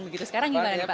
begitu sekarang gimana pak